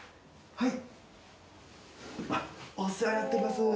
はい。